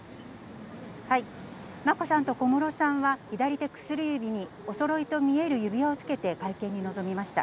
眞子さんと小室さんは、左手薬指に、おそろいと見える指輪をつけて会見に臨みました。